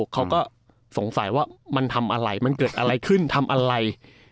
เขาก็สงสัยว่ามันทำอะไรมันเกิดอะไรขึ้นทำอะไร